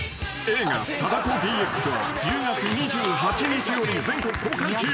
［映画『貞子ＤＸ』は１０月２８日より全国公開中］